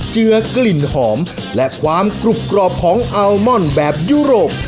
เจือกลิ่นหอมและความกรุบกรอบของอัลมอนแบบยุโรป